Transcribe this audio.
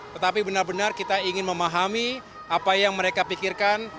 tetapi benar benar kita ingin memahami apa yang mereka pikirkan